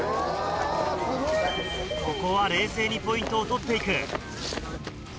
ここは冷静にポイントを取っていく。